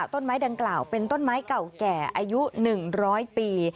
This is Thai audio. ต้นไม้ดังกล่าวเป็นต้นไม้เก่าแก่อายุ๑๐๐ปี